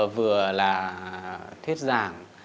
vừa là thuyết giảng